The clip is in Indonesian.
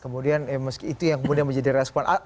kemudian itu yang kemudian menjadi respon